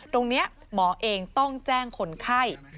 ตรงนี้หมอเองต้องแจ้งคนไข้